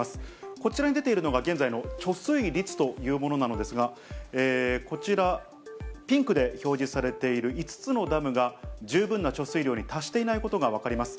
こちらに出ているのが、現在の貯水率というものなのですが、こちら、ピンクで表示されている５つのダムが、十分な貯水量に達していないことが分かります。